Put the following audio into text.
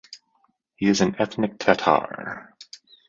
He is an ethnic Tatar.